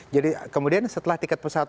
jadi kemudian setelah tiket pesawat